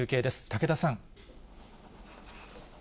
武田さん。